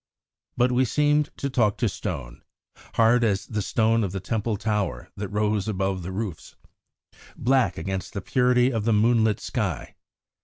But we seemed to talk to stone, hard as the stone of the Temple tower that rose above the roofs, black against the purity of the moonlit sky.